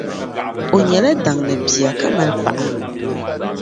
O nyɛla daŋni bia ka mali paɣa.